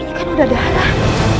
ini kan udah darah